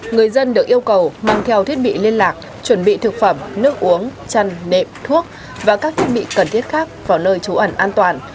người dân được yêu cầu mang theo thiết bị liên lạc chuẩn bị thực phẩm nước uống chăn nệm thuốc và các thiết bị cần thiết khác vào nơi trú ẩn an toàn